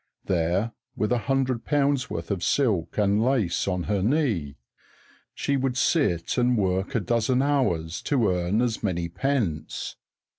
There, with a hundred pounds' worth of silk and lace on her knee, she would sit and work a dozen hours to earn as many pence.